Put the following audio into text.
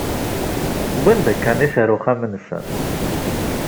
Wwin-d akanic ar uxxam-nsen.